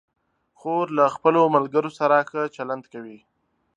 خور له خپلو ملګرو سره ښه چلند کوي.